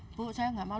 ibu saya enggak mau